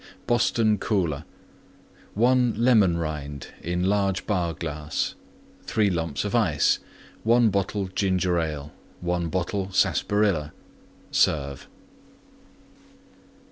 BOSTON COOLER 1 Lemon Rind in large Bar glass. 3 lumps Ice. 1 bottle Ginger Ale. 1 bottle Sarsaparilla. Serve.